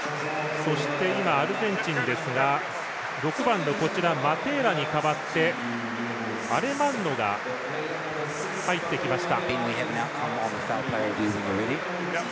そして、今、アルゼンチン６番のマテーラに代わってアレマンノが入ってきました。